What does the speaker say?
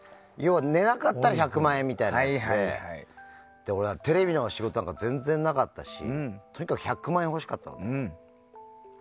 寝なかったら１００万円みたいなのでテレビの仕事とか全然なかったしとにかく１００万円ほしかったの。